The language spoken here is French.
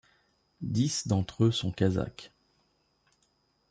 Dix d'entre eux sont kazakhs.